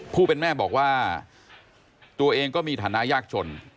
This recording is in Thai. ผู้เป็นแม่บอกว่าตัวเองก็มีฐานะยากจน